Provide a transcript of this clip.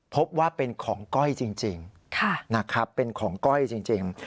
พบว่าเป็นของก้อยจริงนะครับเป็นของก้อยจริง